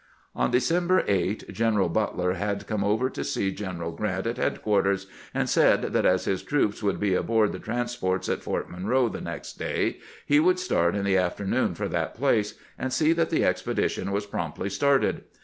On December 8 General Butler had come over to see General Grant at headquarters, and said that as his troops would be aboard the transports at Fort Monroe the next day, he would start in the afternoon for that place, and see that the expedition was promptly started.